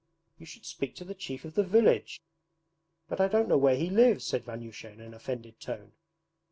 'You should speak to the Chief of the Village!' 'But I don't know where he lives,' said Vanyusha in an offended tone.